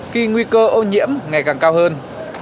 khi nguy cơ ô nhiễm ngày càng cao hơn